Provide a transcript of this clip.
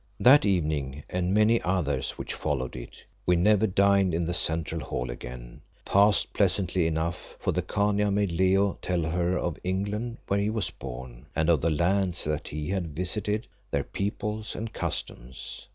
That evening and many others which followed it we never dined in the central hall again passed pleasantly enough, for the Khania made Leo tell her of England where he was born, and of the lands that he had visited, their peoples and customs.